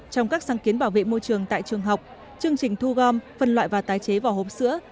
trong các sáng kiến bảo vệ môi trường tại trường học chương trình thu gom phân loại và tái chế vỏ hộp sữa